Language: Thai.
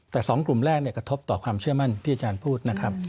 แต่๒กลุ่มแรกกระทบต่อความเชื่อมั่นที่อาจารย์พูดนะครับ